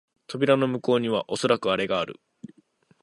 扉の向こうにはおそらくアレがある